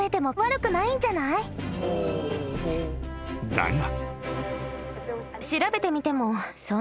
［だが］